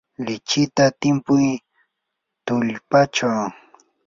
lichita timpuy tullpachaw.